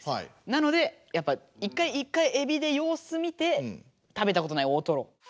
なのでやっぱ一回えびで様子見て食べたことない大トロ。